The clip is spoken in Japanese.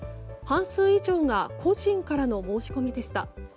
半数以上が個人からの申し込みでした。